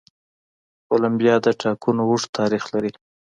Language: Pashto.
کولمبیا د ټاکنو اوږد تاریخ لري.